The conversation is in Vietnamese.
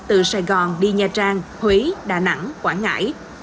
từ sài gòn đi nha trang huế đà nẵng quảng ngãi